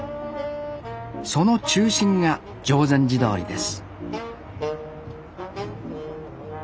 その中心が定禅寺通です